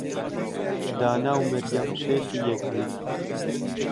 دانا و مەریەم شێتی یەکدین.